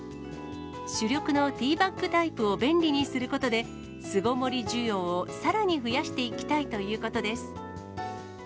主力のティーバッグタイプを便利にすることで、巣ごもり需要をさらに増やしていきたいということです。